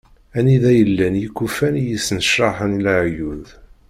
Anida i llan yikufan i yesnecraḥen laɛyud.